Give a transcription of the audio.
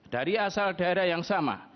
dari asal daerah yang sama